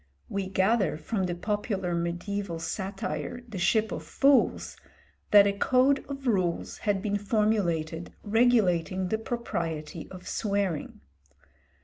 We gather from the popular mediæval satire, the 'Ship of Fools,' that a code of rules had been formulated regulating the propriety of swearing.